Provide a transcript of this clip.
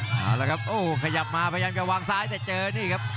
เอาละครับโอ้ขยับมาพยายามจะวางซ้ายแต่เจอนี่ครับ